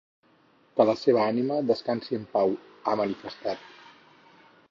Que la seva ànima descansi en pau, ha manifestat.